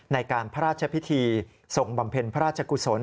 ในการพระราชพิธีส่งบำเพ็ญพระราชกุศล